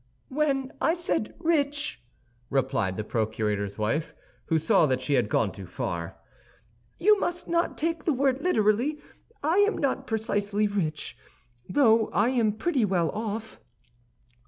"When I said rich," replied the procurator's wife, who saw that she had gone too far, "you must not take the word literally. I am not precisely rich, though I am pretty well off."